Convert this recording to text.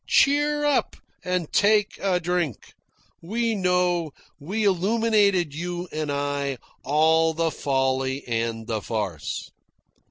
Cheer up and take a drink. We know, we illuminated, you and I, all the folly and the farce."